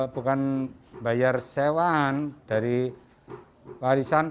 bukan bayar sewaan dari warisan